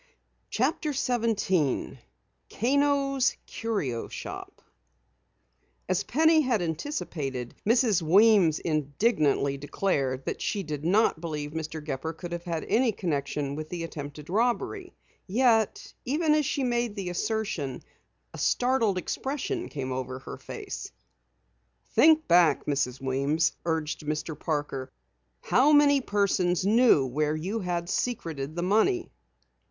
CHAPTER 17 KANO'S CURIO SHOP As Penny had anticipated, Mrs. Weems indignantly declared that she did not believe Mr. Gepper could have had any connection with the attempted robbery. Yet, even as she made the assertion, a startled expression came over her face. "Think back, Mrs. Weems," urged Mr. Parker. "How many persons knew where you had secreted the money?"